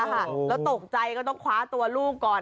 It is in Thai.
แล้วตกใจก็ต้องคว้าตัวลูกก่อน